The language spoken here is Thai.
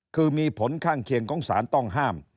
คือมีผลข้างเคียงของสารต้องห้าม